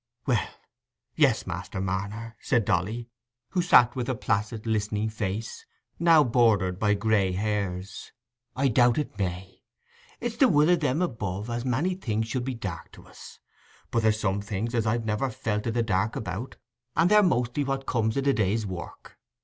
"Well, yes, Master Marner," said Dolly, who sat with a placid listening face, now bordered by grey hairs; "I doubt it may. It's the will o' Them above as a many things should be dark to us; but there's some things as I've never felt i' the dark about, and they're mostly what comes i' the day's work.